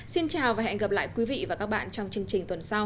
xin chào và hẹn gặp lại quý vị và các bạn trong chương trình tuần sau